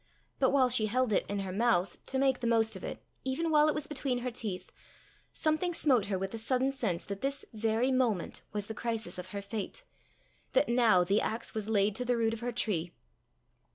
But while she held it in her mouth to make the most of it, even while it was between her teeth, something smote her with the sudden sense that this very moment was the crisis of her fate, that now the axe was laid to the root of her tree.